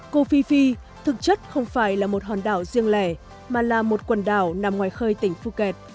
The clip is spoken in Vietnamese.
cô phi phi thực chất không phải là một hòn đảo riêng lẻ mà là một quần đảo nằm ngoài khơi tỉnh phuket